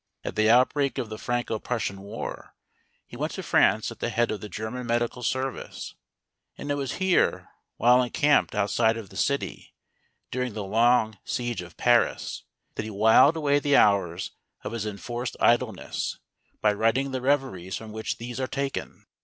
At the outbreak of the Franco Prussian War, he went to France at the head of the German Medical Service, and it was here, while encamped outside of the city, during the long siege of Paris, that he whiled away the hours of his enforced idleness by writing the Reveries from which these are taken.